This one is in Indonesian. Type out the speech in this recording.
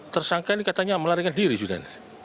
tersangka ini katanya melarikan diri sudah